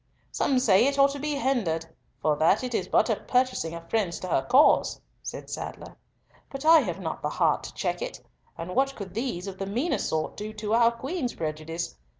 "Some say it ought to be hindered, for that it is but a purchasing of friends to her cause," said Sadler; "but I have not the heart to check it, and what could these of the meaner sort do to our Queen's prejudice?